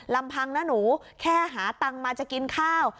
ลำพังนะหนูแค่หาตังค์มาจะกินข้าว